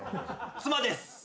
妻です！